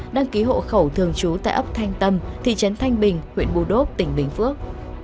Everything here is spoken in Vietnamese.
đăng ký hộ khẩu thường trú tại ấp thanh tâm thị trấn thanh bình huyện bù đốp tỉnh bình phước